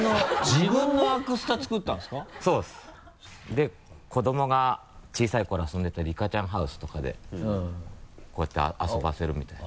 で子どもが小さい頃遊んでたリカちゃんハウスとかでこうやって遊ばせるみたいな。